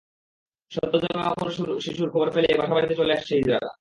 সদ্য জন্ম নেওয়া কোনো শিশুর খবর পেলেই বাসাবাড়িতে চলে আসছে হিজড়ারা।